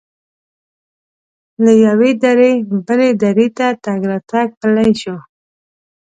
له یوې درې بلې درې ته تګ راتګ پلی وي.